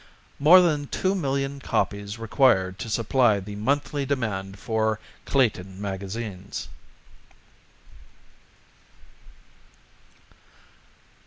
_More than Two Million Copies Required to Supply the Monthly Demand for Clayton Magazines.